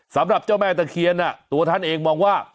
สำหรับเจ้าแม่ตะเคียนตัวท่านเองมองว่า